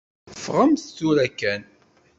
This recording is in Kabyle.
Ffɣemt tura kan.